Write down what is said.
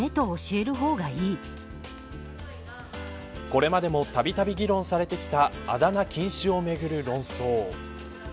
これまでもたびたび議論されてきたあだ名禁止をめぐる論争。